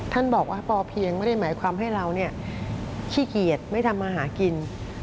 ท่านบอกว่าพอเพียงไม่ได้หมายความให้เราขี้เกียจไม่ทำมาหากิน